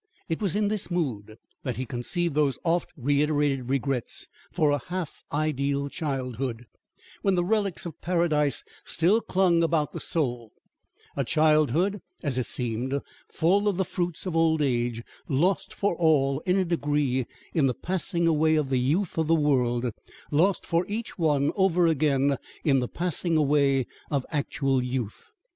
It was in this mood that he conceived those oft reiterated regrets for a half ideal childhood, when the relics of Paradise still clung about the soul a childhood, as it seemed, full of the fruits of old age, lost for all, in a degree, in the passing away of the youth of the world, lost for each one, over again, in the passing away of actual youth.